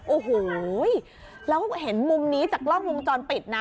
โอ้โหแล้วเห็นมุมนี้จากกล้องวงจรปิดนะ